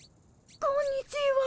こんにちは。